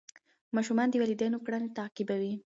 ماشومان د والدینو کړنې تعقیبوي.